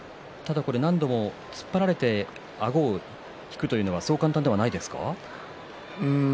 何度も突っ張られてあごを引くというのはそう簡単ではないですね。